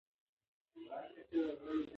ښوونځی د زده کړې لومړنی پړاو دی.